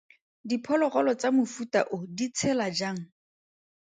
Diphologolo tsa mofuta o di tshela jang?